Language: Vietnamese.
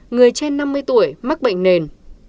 người trên năm mươi tuổi mắc bệnh nền